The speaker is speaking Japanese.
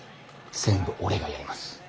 全部俺がやります。